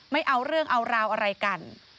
ไม่เอาเรื่องเอาราวอะไรกัน